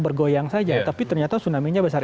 bergoyang saja tapi ternyata tsunami nya besar